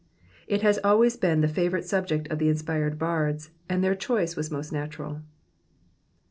It has always been the favourite * subject of the inspired bards, and their choice was most natural.